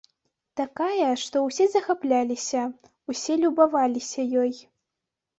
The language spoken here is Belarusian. Такая, што ўсе захапляліся, усе любаваліся ёй.